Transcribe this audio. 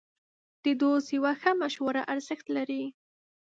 د دوست یوه ښه مشوره ارزښت لري.